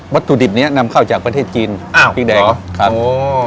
วัตถุดิบเนี้ยนำเข้าจากประเทศจีนอ้าวพริกแดงครับโอ้